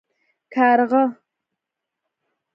🐦⬛ کارغه